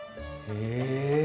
へえ！